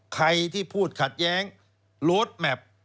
ใครที่พูดขัดแย้งโลดแมพ